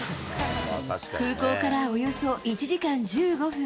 空港からおよそ１時間１５分。